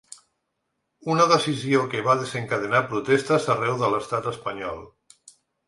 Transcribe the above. Una decisió que va desencadenar protestes arreu de l’estat espanyol.